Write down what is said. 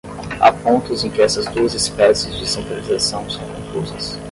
Há pontos em que essas duas espécies de centralização são confusas.